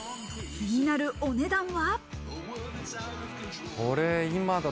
気になるお値段は。